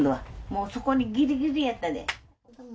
もうそこにぎりぎりやったで。